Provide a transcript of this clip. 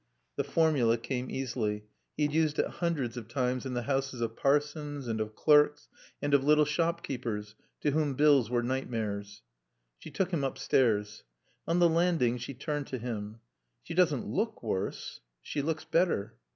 The formula came easily. He had used it hundreds of times in the houses of parsons and of clerks and of little shopkeepers, to whom bills were nightmares. She took him upstairs. On the landing she turned to him. "She doesn't look worse. She looks better."